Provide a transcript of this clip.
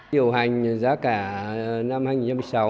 điều hành giá cả năm hai nghìn một mươi sáu